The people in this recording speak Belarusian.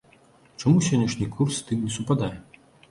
Чаму сённяшні курс з тым не супадае?